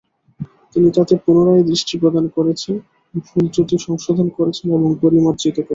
তিনি তাতে পুনঃদৃষ্টি প্রদান করেছেন, ভুল-ত্রুটি সংশোধন করেছেন এবং পরিমার্জিত করেছেন।